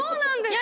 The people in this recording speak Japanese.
や